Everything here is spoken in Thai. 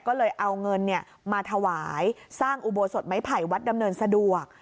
ก็เลยเอาเงินมาถวายสร้างอุโบสถไม้ไผ่วัดดำเนินสะดวก